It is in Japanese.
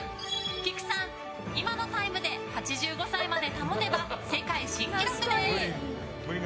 きくさん、今のタイムで８５歳まで保てば世界新記録です。